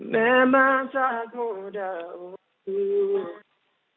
memang tak mudah untuk